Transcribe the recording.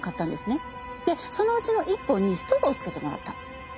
でそのうちの１本にストローをつけてもらった。